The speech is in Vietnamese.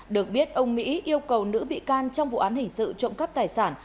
được biết ông mỹ yêu cầu nữ bị can trong vụ án hình sự trộm cắp tài sản